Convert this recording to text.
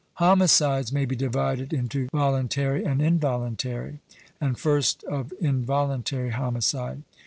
Homicides may be divided into voluntary and involuntary: and first of involuntary homicide.